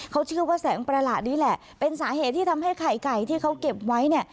เขาเชื่อว่าแสงประหลาดนี้แหละเป็นสาเหตุที่ทำให้ไข่ไก่ที่เขาเก็บไว้เนี่ย